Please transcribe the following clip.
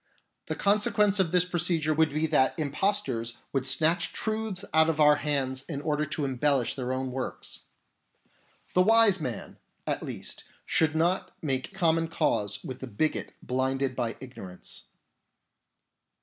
The consequence of this procedure would be that impostors would snatch truths out of our hands in order to embellish their own works. The wise man, at least, should not make common cause with the bigot blinded by ignorance.